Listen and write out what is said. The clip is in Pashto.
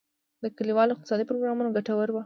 د کلیوالي اقتصاد پروګرامونه ګټور وو؟